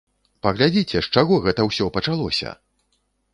Паглядзіце, з чаго гэта ўсё пачалося!